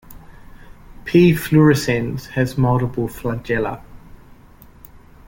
"P. fluorescens" has multiple flagella.